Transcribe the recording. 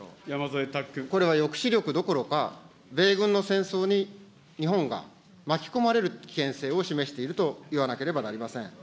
これは抑止力どころか、米軍の戦争に日本が巻き込まれる危険性を示していると言わなければなりません。